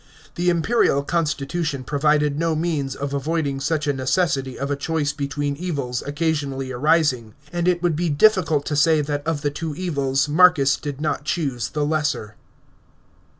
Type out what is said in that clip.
The imperial constitution provided: no means of avoiding such a necessity of a choice between evi > occasionally arising; and it would be difficult to say that of the tw< evils Marcus did not choose the lesser.